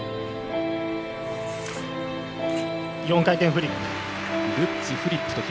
４回転フリップ。